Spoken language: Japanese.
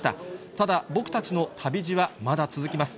ただ、僕たちの旅路はまだ続きます。